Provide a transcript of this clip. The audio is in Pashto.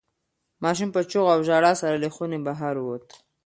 ماشوم په چیغو او ژړا سره له خونې بهر ووت.